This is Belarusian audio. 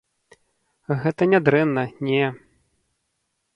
Гэта не дрэнна, не.